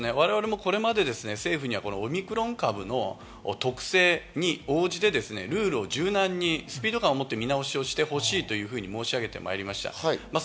我々もこれまで政府にはオミクロン株の特性に応じてルールを柔軟にスピード感をもって見直しをしてほしいというふうに申し上げてまいりました。